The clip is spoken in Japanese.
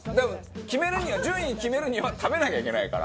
決めるには順位決めるには食べなきゃいけないから。